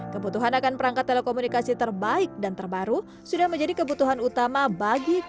kebutuhan akan perangkat telekomunikasi terbaik dan terbaru sudah menjadi kebutuhan utama bagi konsumen